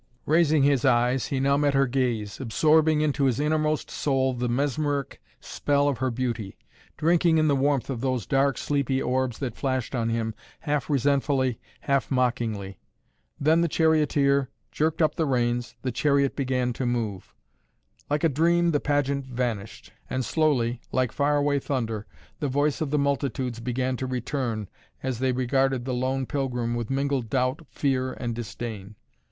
Raising his eyes, he now met her gaze, absorbing into his innermost soul the mesmeric spell of her beauty, drinking in the warmth of those dark, sleepy orbs that flashed on him half resentfully, half mockingly. Then the charioteer jerked up the reins, the chariot began to move. Like a dream the pageant vanished and slowly, like far away thunder, the voice of the multitudes began to return, as they regarded the lone pilgrim with mingled doubt, fear and disdain.